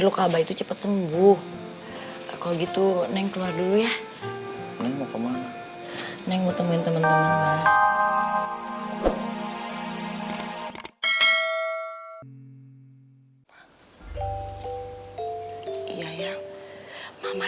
sampai jumpa di video selanjutnya